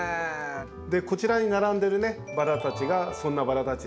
こちらに並んでいるバラたちがそんなバラたちですね。